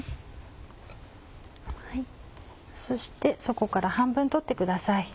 そしてそこから半分取ってください。